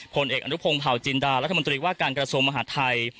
ผลเอกอนุพงศ์เผาจินดารัฐมนตรีว่าการกระทรวงมหาดไทย